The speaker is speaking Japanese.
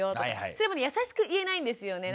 それもね優しく言えないんですよね。